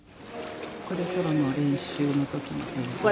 これソロの練習の時のやつです。